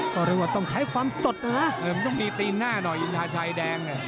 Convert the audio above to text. ก็เรียกว่าต้องใช้ความสดนะนะมันต้องมีตีนหน้าหน่อยอินทาชัยแดง